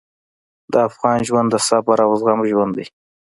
د افغان ژوند د صبر او زغم ژوند دی.